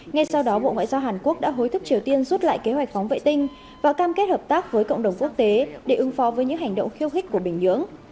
ngay sau đó bộ ngoại giao hàn quốc đã hối thúc triều tiên rút lại kế hoạch phóng vệ tinh và cam kết hợp tác với cộng đồng quốc tế để ứng phó với những hành động khiêu khích của bình nhưỡng